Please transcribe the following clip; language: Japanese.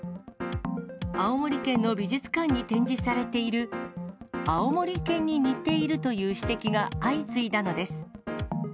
青森県の美術館に展示されている、あおもり犬に似ているという指摘が相次いだのです。